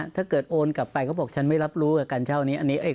ถ้าเกิดโอนกลับไปเขาบอกฉันไม่รับรู้คนนี้